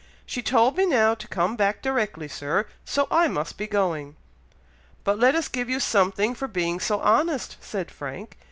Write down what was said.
She told me now to come back directly, Sir, so I must be going." "But let us give you something for being so honest," said Frank.